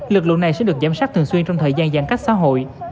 lực lượng này sẽ được giám sát thường xuyên trong thời gian giãn cách xã hội